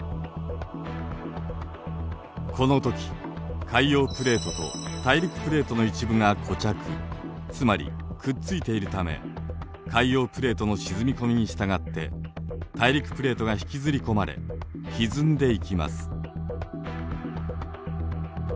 この時海洋プレートと大陸プレートの一部が固着つまりくっついているため海洋プレートの沈み込みにしたがって大陸プレートが引きずり込まれひずんでいきます。